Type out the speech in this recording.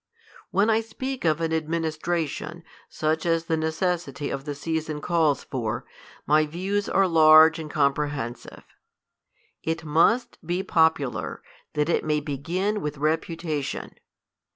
When I speak of an administration, such as the ne cessity of the season calls for, my views are large and comprehensive, ft must be popular, that it may begin with reputation.